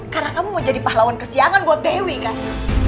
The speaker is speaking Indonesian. karena kamu mau jadi pahlawan kesiangan buat dewi kan